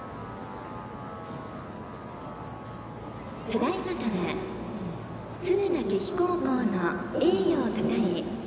ただいまから敦賀気比高校の栄誉をたたえ